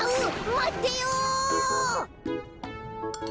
まってよ。